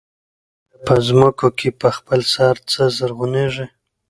آیا په ځمکو کې په خپل سر څه زرغونېږي